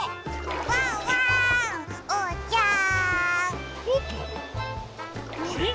ワンワーンおうちゃん！